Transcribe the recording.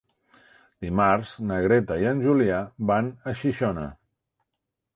Dimarts na Greta i en Julià van a Xixona.